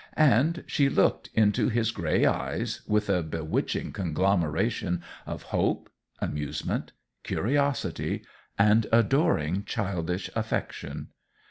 and she looked into his gray eyes with a bewitching conglomeration of hope, amusement, curiosity and adoring childish affection.